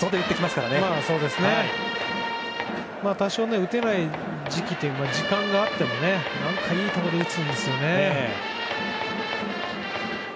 多少、打てない時期というか時間があっても何かいいところで打つんですよね。